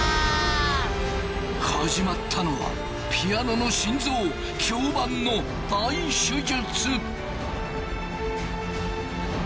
始まったのはピアノの心臓響板の大手術。